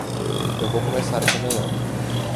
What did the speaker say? Eu vou começar com um melão.